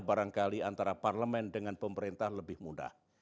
barangkali antara parlemen dengan pemerintah lebih mudah